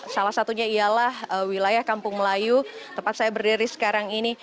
salah satunya ialah wilayah kampung melayu tempat saya berdiri sekarang ini